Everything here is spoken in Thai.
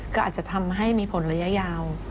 ก็อาจจะทำให้มีผลระยะยาว